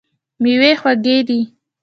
میوې خوږې دي.